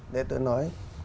để tôi nói